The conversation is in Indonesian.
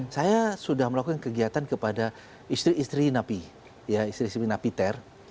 saya sudah melakukan kegiatan kepada istri istri napi ter